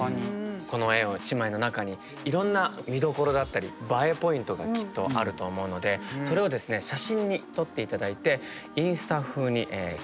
この絵１枚の中にいろんな見どころだったりＢＡＥポイントがきっとあると思うのでそれを写真に撮って頂いてインスタ風に切り取って頂きました。